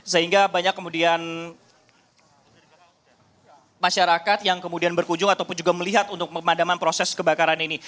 sehingga banyak kemudian masyarakat yang kemudian berkunjung ataupun juga melihat untuk pemadaman proses kebakaran ini